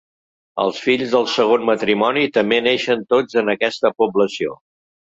Els fills del segon matrimoni també neixen tots en aquesta població.